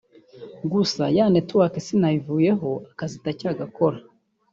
Gusa ya network sinayivuyeho akazi ndacyagakora